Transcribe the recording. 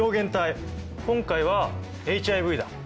今回はＨＩＶだ。